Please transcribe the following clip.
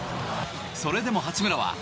それでも八村は１１